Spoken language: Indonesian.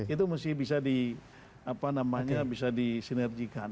itu mesti bisa disinergikan